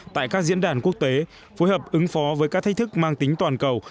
tại các diễn đàn quốc tế phối hợp ứng phó với các thách thức mang tính toàn cầu